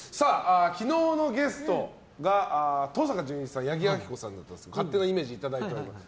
昨日のゲストが登坂淳一さんと八木亜希子さんだったんですが勝手なイメージいただきました。